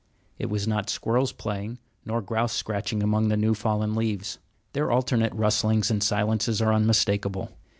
It was not squirrels playing, nor grouse scratching among the new fallen leaves. Their alternate rustlings and silences are unmistakable.